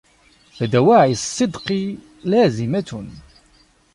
فَدَوَاعِي الصِّدْقِ لَازِمَةٌ